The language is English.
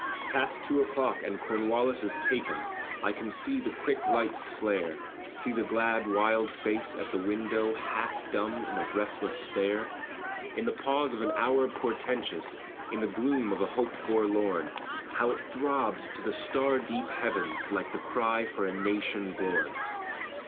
"Past two o'clock and Cornwallis is taken." I can see the quick lights flare, See the glad, wild face at the window, Half dumb in a breathless stare. In the pause of an hour portentous, In the gloom of a hope forlorn, How it throbbed to the star deep heavens, Like the cry for a nation born!